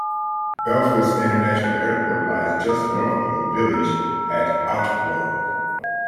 Belfast International Airport lies just north of the village at Aldergrove.